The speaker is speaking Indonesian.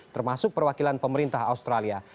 termasuk perwakilan pemerintah australia